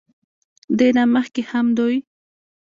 دې نه مخکښې هم دوي